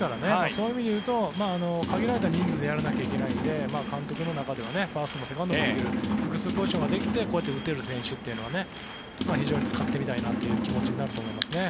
そういう意味でいうと限られた人数でやらないといけないので監督の中ではファーストもセカンドもできる複数ポジションができてこうやって打てる選手というのは非常に使ってみたいなという気持ちになると思います。